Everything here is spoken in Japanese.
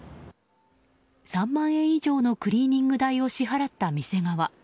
３万円以上のクリーニング代を支払った店側。